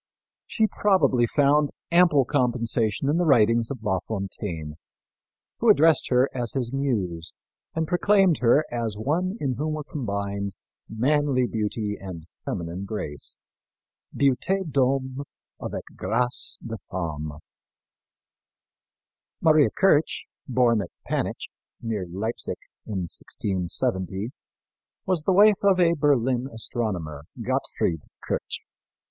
She probably found ample compensation in the writings of La Fontaine, who addressed her as his muse and proclaimed her as one in whom were combined manly beauty and feminine grace beauté d'homme avec grace de femme. Maria Kirch, born at Panitch, near Leipsic, in 1670, was the wife of a Berlin astronomer, Gottfried Kirch.